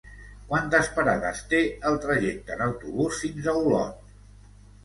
Quantes parades té el trajecte en autobús fins a Olot?